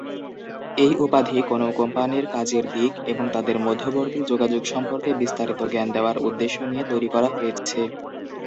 এই উপাধি কোনও কোম্পানির কাজের দিক এবং তাদের মধ্যবর্তী যোগাযোগ সম্পর্কে বিস্তারিত জ্ঞান দেওয়ার উদ্দেশ্য নিয়ে তৈরি করা হয়েছে।